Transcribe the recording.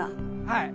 はい。